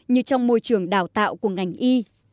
như trong môi trường đào tạo của ngành y